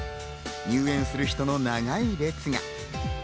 入園する人の長い列が。